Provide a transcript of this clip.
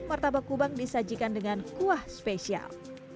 martabak kubang disajikan dengan kuah spesial